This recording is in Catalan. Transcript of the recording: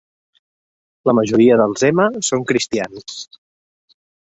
La majoria dels hema són cristians.